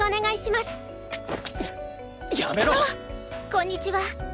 こんにちは。